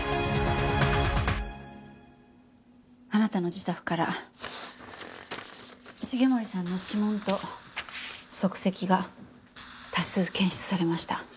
あなたの自宅から重森さんの指紋と足跡が多数検出されました。